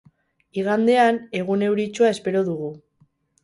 Igandean egun euritsua espero dugu.